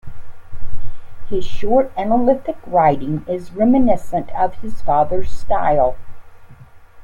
His short, analytic writing is reminiscent of his father's style.